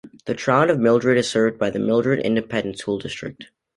The Town of Mildred is served by the Mildred Independent School District.